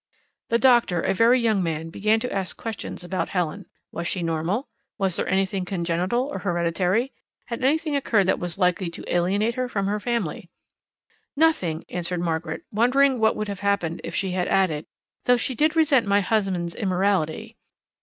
The doctor, a very young man, began to ask questions about Helen. Was she normal? Was there anything congenital or hereditary? Had anything occurred that was likely to alienate her from her family? "Nothing," answered Margaret, wondering what would have happened if she had added: "Though she did resent my husband's immorality."